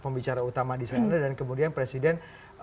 pembicara utama disana dan kemudian presiden